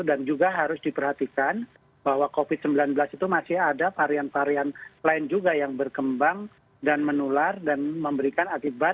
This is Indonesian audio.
dan juga harus diperhatikan bahwa covid sembilan belas itu masih ada varian varian lain juga yang berkembang dan menular dan memberikan akibat